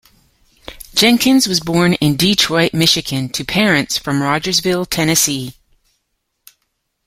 Jenkins was born in Detroit, Michigan to parents from Rogersville, Tennessee.